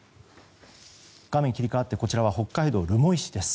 画面切り替わって、こちらは北海道留萌市です。